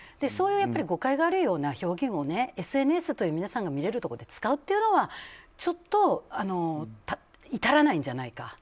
そういう誤解があるような表現をＳＮＳという皆さんが見れるところで使うっていうのはちょっと至らないんじゃないか。